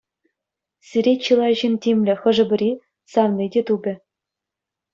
Сире чылай ҫын тимлӗ, хӑшӗ-пӗри савни те тупӗ.